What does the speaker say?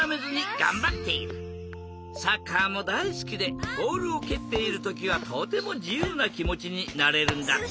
サッカーもだいすきでボールをけっているときはとてもじゆうなきもちになれるんだって。